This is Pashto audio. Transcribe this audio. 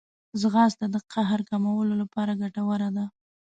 ځغاسته د قهر کمولو لپاره ګټوره ده